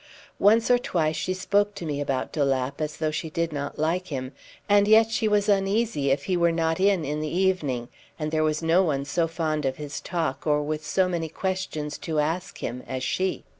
Once or twice she spoke to me about de Lapp as though she did not like him, and yet she was uneasy if he were not in in the evening; and there was no one so fond of his talk, or with so many questions to ask him, as she.